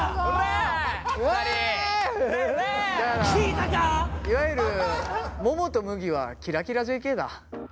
いわゆるももとむぎはキラキラＪＫだ。